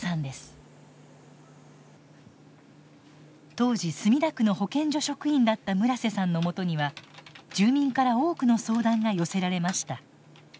当時墨田区の保健所職員だった村瀬さんのもとには住民から多くの相談が寄せられました。